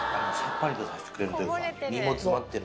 身も詰まってる。